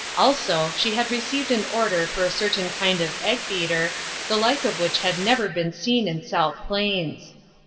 Also she had received an order for a certain kind of egg beater, the like of which had never been seen in South Plains.